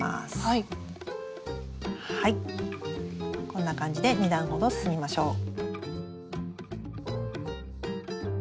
こんな感じで２段ほど進みましょう。